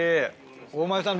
大前さん